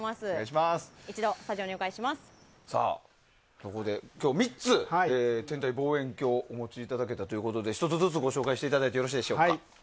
ここで今日３つ天体望遠鏡をお持ちいただけたということで１つずつご紹介していただいてよろしいでしょうか。